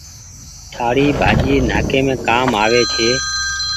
ٿآڙي ڀآڃي نآڪيم ڪآم آوي ڇي۔